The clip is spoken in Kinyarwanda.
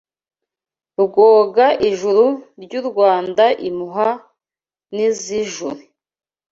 Rwoga ijuru ry’u Rwanda Impuha nizijure